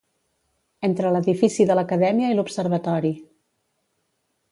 Entre l'edifici de l'Acadèmia i l'Observatori.